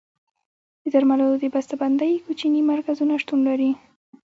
د درملو د بسته بندۍ کوچني مرکزونه شتون لري.